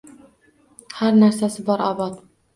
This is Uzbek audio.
Har narsasi bor obod.